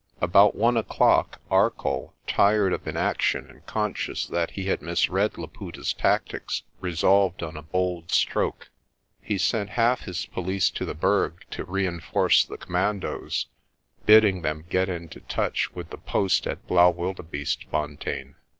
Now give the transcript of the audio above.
About one o'clock Arcoll, tired of inaction and conscious that he had misread Laputa's tactics, resolved on a bold stroke. He sent half his police to the Berg to reinforce the commandoes, bidding them get into touch with the post at Blaauwildebeestefontein.